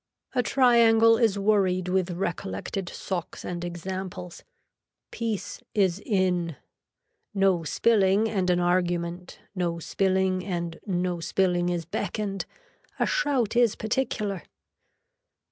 A triangle is worried with recollected socks and examples. Peace is in. No spilling and an argument, no spilling and no spilling is beckoned. A shout is particular.